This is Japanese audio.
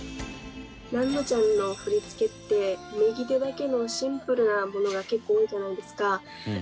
ナンノちゃんの振り付けって右手だけのシンプルなものが結構多いじゃないですか。